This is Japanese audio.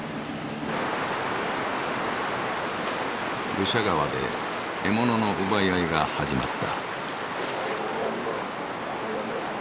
ルシャ川で獲物の奪い合いが始まった。